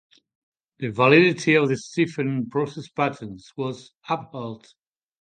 The validity of the Steffen Process Patents was upheld.